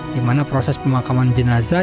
di mana proses pemakaman jenazah